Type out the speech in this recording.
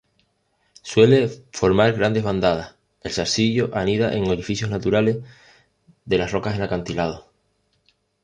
Suele formar grandes bandadas. El Zarcillo anida en orificios naturales de las rocas en acantilados.